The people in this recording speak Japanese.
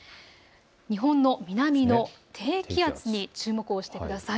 日本の南の低気圧に注目をしてください。